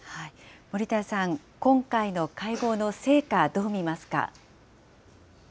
森田さん、今回の会合の成果、どう見ますか。